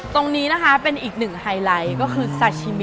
ตรงนี้นะคะเป็นอีกหนึ่งไฮไลท์ก็คือซาชิมิ